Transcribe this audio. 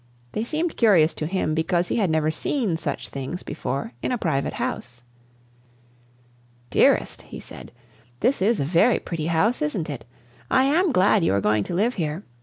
They seemed curious to him because he had never seen such things before in a private house. "Dearest," he said, "this is a very pretty house, isn't it? I am glad you are going to live here.